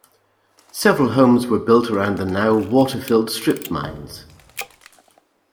Several homes were built around the now water-filled strip mines.